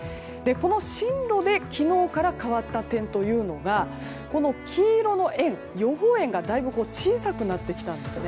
この進路で昨日から変わった点というのが黄色の円、予報円がだいぶ小さくなってきたんです。